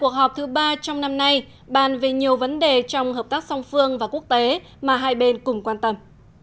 cuộc họp thứ ba trong năm nay bàn về nhiều vấn đề trong hợp tác song phương và quốc tế mà hai bên cùng quan tâm